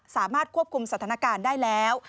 สามารถควบคุมสถานการณ์ได้แล้ว